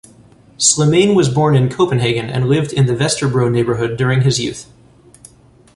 Slimane was born in Copenhagen and lived in the Vesterbro neighbourhood during his youth.